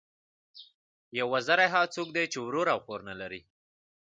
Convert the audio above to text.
یو وزری، هغه څوک دئ، چي ورور او خور نه لري.